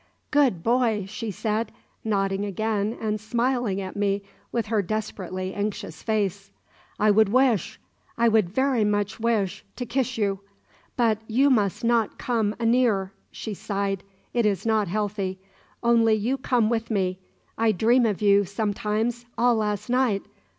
"Good boy!" she said, nodding again and smiling at me with her desperately anxious face. "I would wish I would very much wish to kiss you. But you mus' not come a near" she sighed "it is not healthy. Only you come with me. I dream of you, sometimes, all las' night.